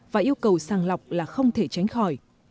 và yêu cầu sàng lọc là không thể tránh khỏi